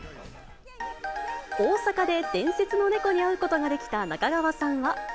大阪で伝説の猫に会うことができた中川さんは。